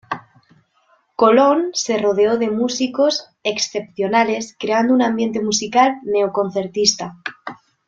Colón se rodeó de músicos excepcionales creando un ambiente musical neo concertista.